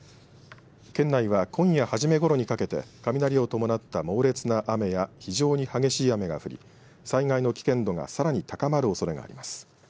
県内は今夜初めごろにかけて雷を伴った猛烈な雨や非常に激しい雨が降り災害の危険度がさらに高まるおそれがあります。